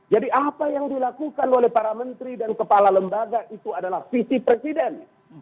jadi apa yang dilakukan oleh para menteri dan kepala lembaga itu adalah visi presiden